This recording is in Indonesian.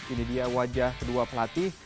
ini dia wajah kedua pelatih